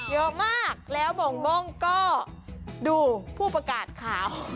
เยอะมากแล้วโมงก็ดูผู้ประกาศข่าว